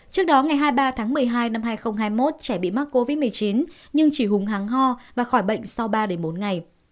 trước đó ngày hai mươi ba tháng một mươi hai năm hai nghìn hai mươi một trẻ bị mắc covid một mươi chín nhưng chỉ hùng háng ho và khỏi bệnh sau ba bốn ngày